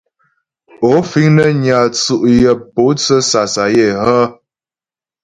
Ó fíŋ nə́ nyà tsʉ́' yə mpótsə́ sasayə́ hə́ ?